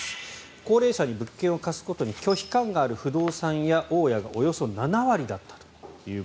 高齢者に物件を貸すことに拒否感がある不動産屋、大家がおよそ７割だったと。